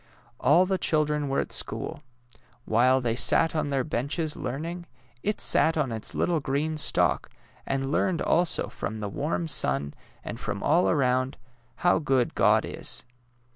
All the children were at school. AVhile they sat on their benches learning, it sat on its little green stalk, and learned also from the warm sim, and from all around, how good God is.